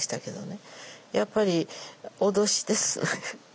やっぱり脅しです。